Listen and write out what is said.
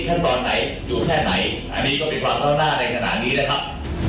ขั้นตอนไหนอยู่แค่ไหนอันนี้ก็เป็นความเข้าหน้าในขณะนี้นะครับ